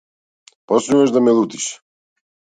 Почнуваш да ме лутиш.